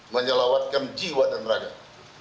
menyelawatkan jiwa dan rakyat